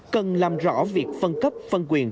cần làm rõ việc phân cấp phân quyền